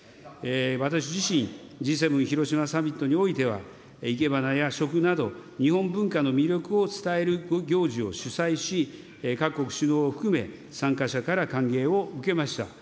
私自身、Ｇ７広島サミットにおいては、生け花や和食など、日本文化の魅力を伝える行事を主催し、各国首脳を含め、参加者から歓迎を受けました。